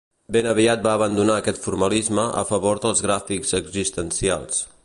Ben aviat va abandonar aquest formalisme a favor dels gràfics existencials.